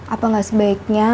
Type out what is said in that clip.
apa gak sebaiknya